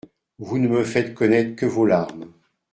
Vous ne me faites connaître que vos larmes.